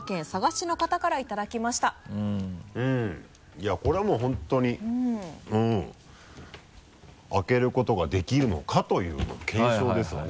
いやこれはもう本当に開けることができるのかという検証ですわね。